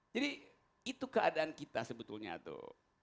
jadi itu keadaan kita sebetulnya tuh